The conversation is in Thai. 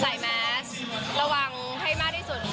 แมสระวังให้มากที่สุด